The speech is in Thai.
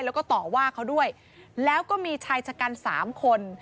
แล้วก็ต่อว่าเขาด้วยแล้วก็มีชายชะกันสามคน